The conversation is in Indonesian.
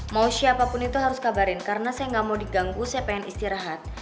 mau siapapun itu harus kabarin karena saya gak mau diganggu saya pengen istirahat